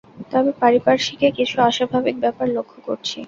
তবে পারিপার্শ্বিকে কিছু অস্বাভাবিক ব্যাপার লক্ষ করছি।